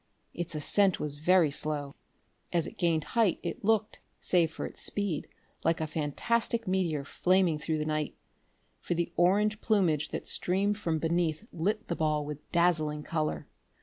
Its ascent was very slow. As it gained height it looked save for its speed like a fantastic meteor flaming through the night, for the orange plumage that streamed from beneath lit the ball with dazzling color.